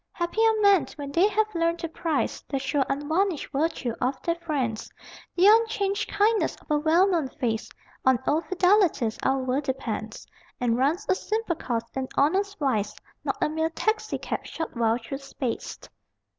Happy are men when they have learned to prize The sure unvarnished virtue of their friends, The unchanged kindness of a well known face: On old fidelities our world depends, And runs a simple course in honest wise, Not a mere taxicab shot wild through space!